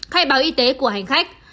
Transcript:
khai báo y tế của hành khách